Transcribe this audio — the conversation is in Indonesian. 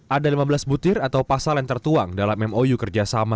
ada lima belas butir atau pasal yang tertuang dalam mou kerjasama